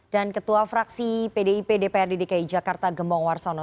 dan ketua fraksi pdip dprd dki jakarta gembong warsono